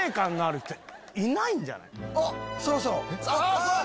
あっそろそろ！